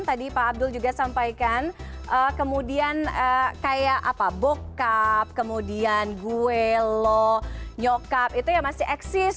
tadi pak abdul juga sampaikan kemudian kayak bokap kemudian gue lo nyokap itu ya masih eksis